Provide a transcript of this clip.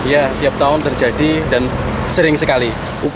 ya tiap tahun terjadi dan sering sekali